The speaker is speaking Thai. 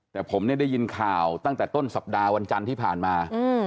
แต่ผมเนี่ยได้ยินข่าวตั้งแต่ต้นสัปดาห์วันจันทร์ที่ผ่านมา